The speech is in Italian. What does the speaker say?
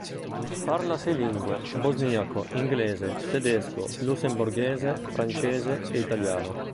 Parla sei lingue: bosniaco, inglese, tedesco, lussemburghese, francese e italiano.